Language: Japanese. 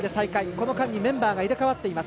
この間にメンバーが入れ代わっています。